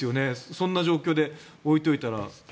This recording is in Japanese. そんな状況で置いておいたら。